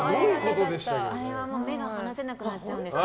あれは目が離せなくなっちゃうんです。